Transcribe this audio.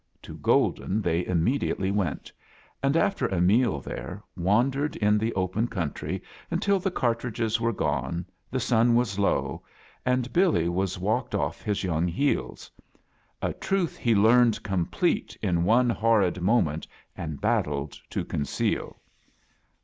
To Golden they immediately went, and, after a meal tlicrc, wandctcd In the open country until the cartridges were gone, the Bun was low, and Billy was walked off his young heels — a troth he learned complete in one horrid moment and battled to con ceal.